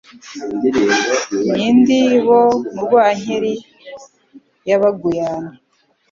N indi bo mu Rwankeli y'Abaguyane.